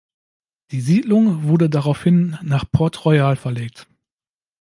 Die Siedlung wurde daraufhin nach Port Royal verlegt.